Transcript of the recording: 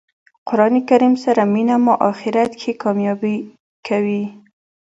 قران کریم سره مینه مو آخرت کښي کامیابه کوي.